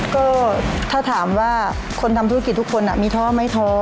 ก็ถ้าถามว่าคนทำธุรกิจทุกคนมีท้อไหมท้อ